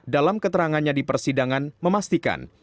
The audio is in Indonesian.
dalam keterangannya di persidangan memastikan